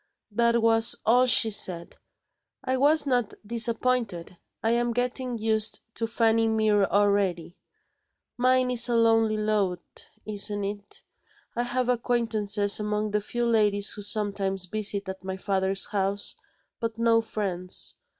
That was all she said; I was not disappointed I am getting used to Fanny Mere already. Mine is a lonely lot isn't it? I have acquaintances among the few ladies who sometimes visit at my father's house, but no friends.